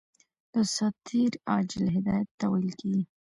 دساتیر عاجل هدایت ته ویل کیږي.